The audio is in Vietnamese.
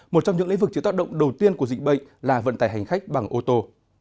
một trong những lĩnh vực chế tác động đầu tiên của dịch bệnh là vận tải hành khách bằng ô tô